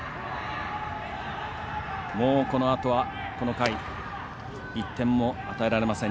もう、このあとはこの回１点も与えられません。